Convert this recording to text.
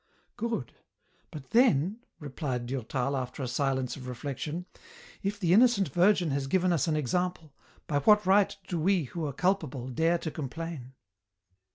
" Good ; but then," replied Durtal, after a silence of re flection, " if the innocent Virgin has given us an example, by what right do we who are culpable dare to complain